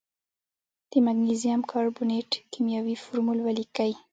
د مګنیزیم کاربونیټ کیمیاوي فورمول ولیکئ.